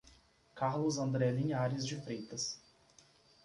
Carlos André Linhares de Freitas